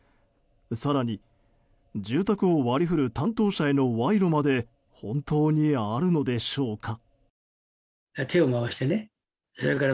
更に住宅を割り振る担当者への賄賂まで本当にあるのでしょうか。